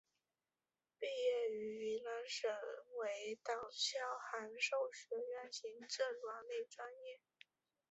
毕业于云南省委党校函授学院行政管理专业。